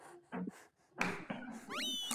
چاربیتې لومړی ځل فرانسوي لیکوال ډارمستتر خپرې کړې.